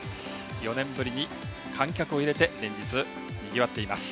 ４年ぶりに観客を入れて連日、にぎわっています。